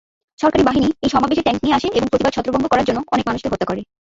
সরকারী বাহিনী এই সমাবেশে ট্যাংক নিয়ে আসে এবং প্রতিবাদ ছত্রভঙ্গ করার জন্য অনেক মানুষকে হত্যা করে।